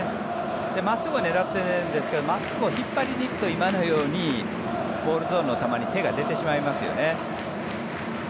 真っすぐを狙ってるんですが真っすぐを引っ張りにいくと今のようにボールゾーンの球に手が出てしまいますよね。